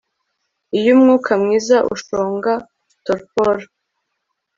Iyo umwuka mwiza ushonga torpor